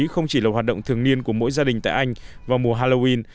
không chỉ là hoạt động thường niên của mỗi gia đình tại anh vào mùa halloween